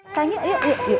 sanya yuk yuk yuk